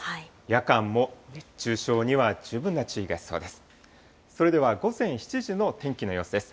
夜間も熱中症には十分な注意が必要です。